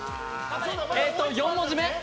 えっと４文字目。